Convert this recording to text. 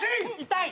痛い！